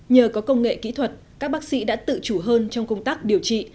nhờ có công nghệ kỹ thuật các bác sĩ đã tự chủ hơn trong công tác điều trị